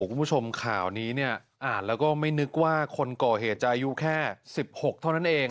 คุณผู้ชมข่าวนี้เนี่ยอ่านแล้วก็ไม่นึกว่าคนก่อเหตุจะอายุแค่๑๖เท่านั้นเอง